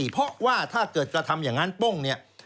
เพราะว่าถ้าเกิดกระทำอย่างนั้นป้งเนี่ย